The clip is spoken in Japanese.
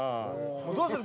どうする？